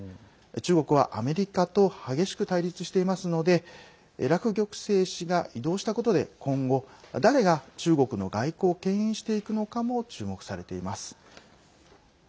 中国はアメリカと激しく対立していますので楽玉成氏が異動したことで今後、誰が中国の外交をけん引していくのかも注目されています。